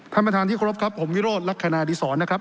ท่านประธานที่เคารพครับผมวิโรธลักษณะดีศรนะครับ